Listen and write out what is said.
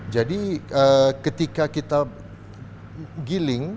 jadi ketika kita giling